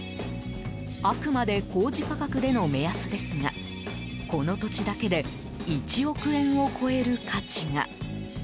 あくまで公示価格での目安ですがこの土地だけで１億円を超える価値が。